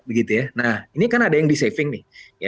nah ini kan ada yang disaving nih